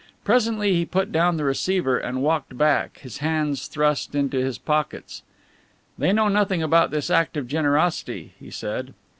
Presently he put down the receiver and walked back, his hands thrust into his pockets. "They know nothing about this act of generosity," he said.